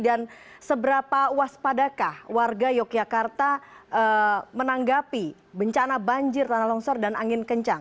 seberapa waspadakah warga yogyakarta menanggapi bencana banjir tanah longsor dan angin kencang